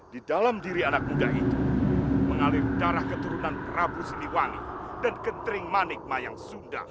di dalam diri anak muda itu mengalir darah keturunan rabu siliwangi dan kentering manigma yang sunda